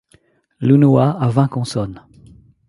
L’unua a vingt consonnes.